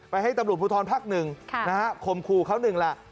ไปให้ตำรุภูทรภักดิ์หนึ่งขมครูเขาหนึ่งล่ะ